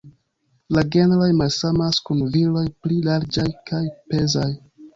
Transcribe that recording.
La genroj malsamas kun viroj pli larĝaj kaj pezaj.